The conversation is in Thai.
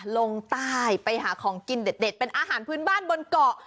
ลงใต้ไปหาของกินเด็ดเป็นอาหารพื้นบ้านบนเกาะ